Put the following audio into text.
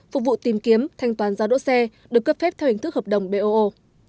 phục vụ tìm kiếm thanh toán giao đỗ xe được cấp phép theo hình thức hợp đồng boo